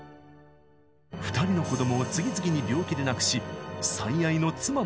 ２人の子どもを次々に病気で亡くし最愛の妻までも。